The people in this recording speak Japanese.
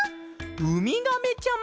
ウミガメちゃま！